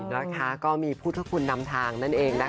นะคะก็มีพุทธคุณนำทางนั่นเองนะคะ